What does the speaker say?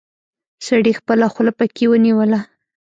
سړي خپله خوله پکې ونيوله.